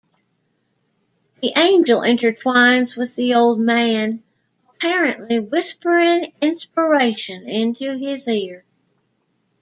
The angel intertwines with the old man, apparently whispering inspiration into his ear.